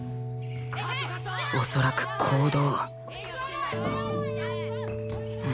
恐らく行動